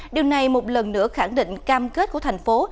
điều này một lần nữa khẳng định cam kết của thành phố